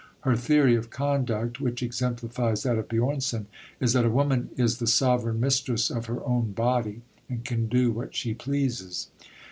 Her theory of conduct (which exemplifies that of Björnson) is that a woman is the sovereign mistress of her own body, and can do what she pleases.